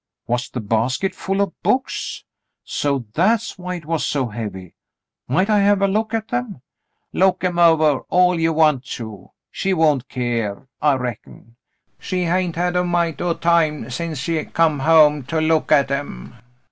"Was the basket full of books .^ So, that was why it was so heavy. Might I have a look at them ?" "Look 'em ovah all you want to. She won't keer, I reckon. She hain't had a mite o' time since she come home to look at 'em."